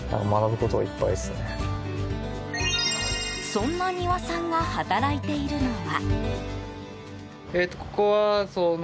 そんな丹羽さんが働いているのは？